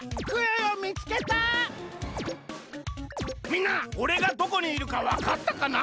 みんなおれがどこにいるかわかったかな？